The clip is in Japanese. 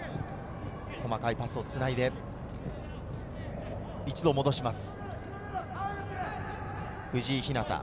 細かいパスをつないで、一度戻します。